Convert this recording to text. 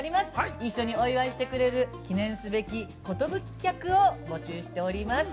一緒にお祝いしてくれる記念すべき寿客を募集しております。